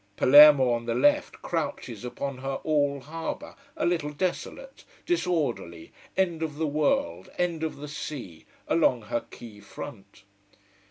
Palermo on the left crouches upon her all harbour a little desolate, disorderly, end of the world, end of the sea, along her quay front.